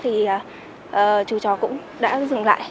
thì chú chó cũng đã dừng lại